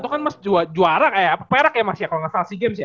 dua ribu satu kan mas juara kayaknya perak ya mas ya kalo ngesel seagames ya